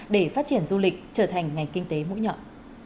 để phát triển du lịch trở thành ngành kinh tế mũi nhọn